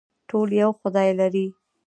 ټول یو خدای لري